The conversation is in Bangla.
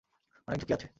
অনেক ঝুকি আছে!